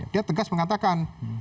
dia tegas mengatakan